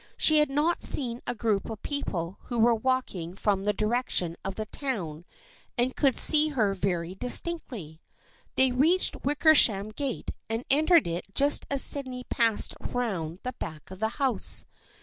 She had not seen a group of people who were walking from the direction of the town and who could see her very distinctly. They reached the Wicker sham gate and entered it just as Sydney passed around to the back of the house.